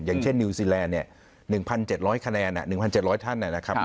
อย่างเช่นนิวซีแลนด์๑๗๐๐คะแนน๑๗๐๐ท่านนะครับ